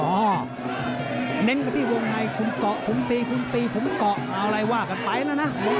เน้นกัไรครับที่วงในผมเกาะผมตีผมเกาะเอาอะไรวะกันไปนะนะ